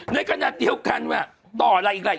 ในขณะเดียวกันว่าต่ออะไรอีกล่ะ